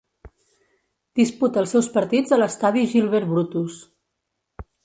Disputa els seus partits a l'estadi Gilbert Brutus.